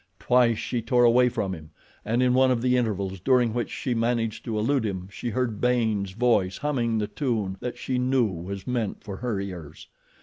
Twice she tore away from him, and in one of the intervals during which she managed to elude him she heard Baynes' voice humming the tune that she knew was meant for her ears.